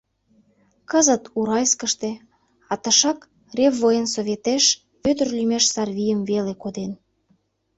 Кызыт — Уральскыште, а тышак — Реввоенсоветеш — Вӧдыр лӱмеш сарвийым веле коден.